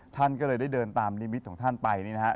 ท่านก็เลยได้เดินตามนิมิติของท่านไปนะฮะ